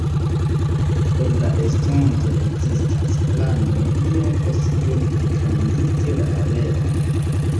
Por la estonto ekzistas planoj iom post iom pligrandigi la areon.